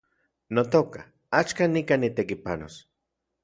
Notoka, axkan nikan nitekipanos